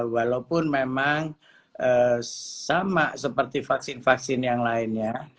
walaupun memang sama seperti vaksin vaksin yang lainnya